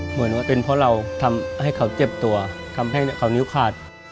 เหมือนว่าเป็นเพราะเราทำให้เขาเจ็บตัวทำให้เขานิ้วขาด